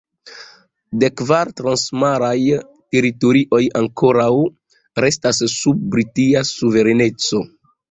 Dekkvar transmaraj teritorioj ankoraŭ restas sub Britia suvereneco.